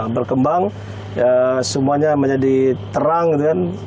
berkembang semuanya menjadi terang gitu kan